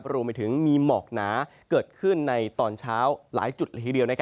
รวมไปถึงมีหมอกหนาเกิดขึ้นในตอนเช้าหลายจุดละทีเดียว